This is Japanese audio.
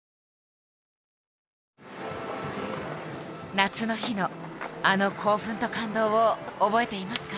夏の日のあの興奮と感動を覚えていますか？